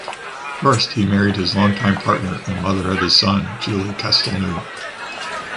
First, he married his long-time partner and mother of his son, Julie Castelnau.